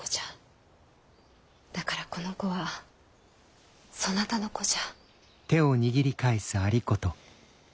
だからこの子はそなたの子じゃ。